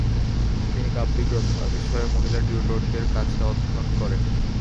তিনি কাব্যিক রচনা বিষয়ে মহিলা টিউটরদের কাছে অধ্যয়ন করেন।